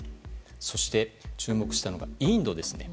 そして、注目したのがインドです。